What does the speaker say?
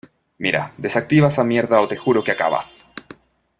mira, desactiva esa mierda o te juro que acabas